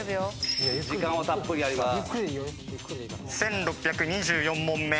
時間はたっぷりあります。